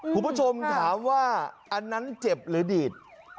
คุณผู้ชมถามว่าอันนั้นเจ็บหรือดีด